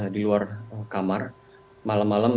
di luar kamar malam malam